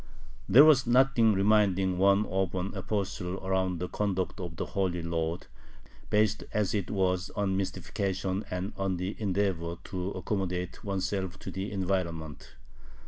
There was nothing reminding one of an apostle about the conduct of the "Holy Lord," based as it was on mystification and on the endeavor to accommodate oneself to the environment.